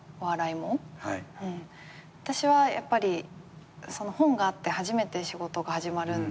私はやっぱり本があって初めて仕事が始まるんで。